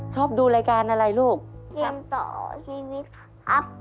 ชอบดูรายการอะไรลูกเกมต่อชีวิตครับ